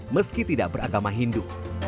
meski tidak beragama hindu